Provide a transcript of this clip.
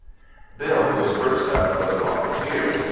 Bill was first up for the Rocketeers.